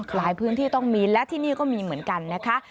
หลายพื้นที่ต้องมีและที่นี่ก็มีเหมือนกันนะคะ